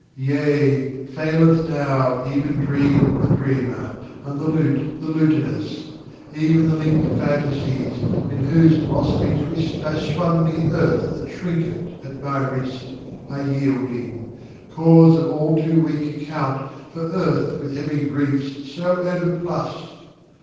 Yea, faileth now even dream The dreamer, and the lute the lutanist; Even the linked fantasies, in whose blossomy twist I swung the earth a trinket at my wrist, Are yielding; cords of all too weak account For earth with heavy griefs so overplussed.